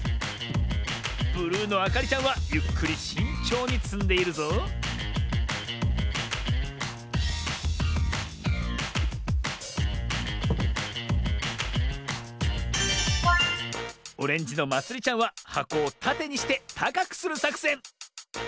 ブルーのあかりちゃんはゆっくりしんちょうにつんでいるぞオレンジのまつりちゃんははこをたてにしてたかくするさくせん。